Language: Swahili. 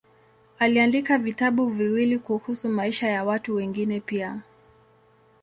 Aliandika vitabu viwili kuhusu maisha ya watu wengine pia.